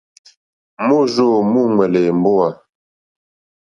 Môrzô múúŋwɛ̀lɛ̀ èmbówà.